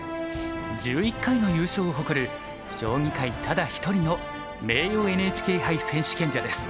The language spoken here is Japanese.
１１回の優勝を誇る将棋界ただ一人の名誉ＮＨＫ杯選手権者です。